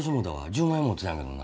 １０万円持ってたんやけどな。